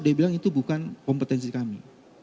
dia bilang itu bukan kompetensi kami